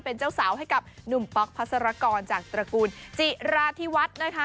เป็นเจ้าสาวให้กับหนุ่มป๊อกพัศรกรจากตระกูลจิราธิวัฒน์นะคะ